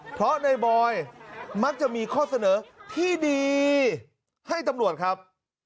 เพราะในบอยมักจะมีข้อเสนอที่ดีให้ตำรวจครับ